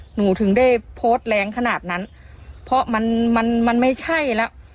หนูถึงได้โพสต์แรงขนาดนั้นเพราะมันมันไม่ใช่แล้ว